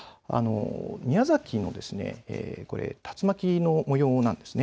宮崎の竜巻のもようなんです。